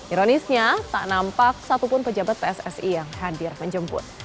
ironisnya tak nampak satupun pejabat pssi yang hadir menjemput